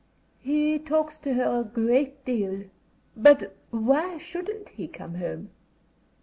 "He talks to her a great deal. But why shouldn't he come home?"